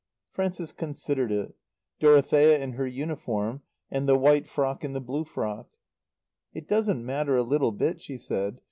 Frances considered it Dorothea in her uniform, and the white frock and the blue frock. "It doesn't matter a little bit," she said.